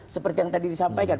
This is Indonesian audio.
seperti yang tadi disampaikan